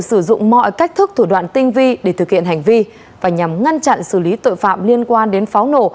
sử dụng mọi cách thức thủ đoạn tinh vi để thực hiện hành vi và nhằm ngăn chặn xử lý tội phạm liên quan đến pháo nổ